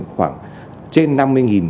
khoảng trên năm mươi nghìn